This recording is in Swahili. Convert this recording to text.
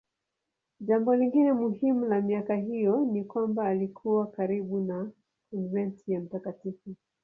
Jambo lingine muhimu la miaka hiyo ni kwamba alikuwa karibu na konventi ya Mt.